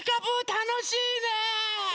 たのしいね。